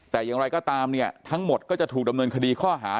แต่อย่างไรก็ตามเนี่ยทั้งหมดก็จะถูกดำเนินคดีข้อหา